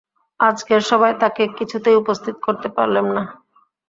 আজকের সভায় তাঁকে কিছুতেই উপস্থিত করতে পারলেম না।